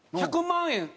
１００万円